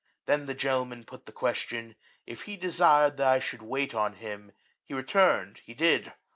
Then the gentleman put the question. If he desired that I should wait on him ? he returned, he did.